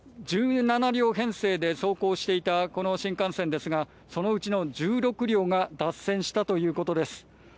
１７両編成で走行していたこの新幹線ですがそのうちの１６両が脱線したということです。